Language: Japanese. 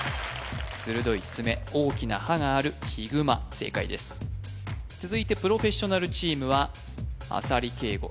鋭い爪大きな歯があるヒグマ正解です続いてプロフェッショナルチームは浅利圭吾